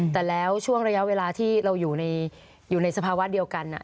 แต่แล้วช่วงระยะเวลาที่เราอยู่ในสภาวะเดียวกัน